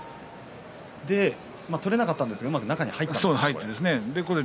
取れなかったんですがうまく中に入ったんですね。